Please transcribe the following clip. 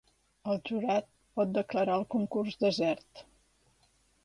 El jurat pot declarar el concurs desert.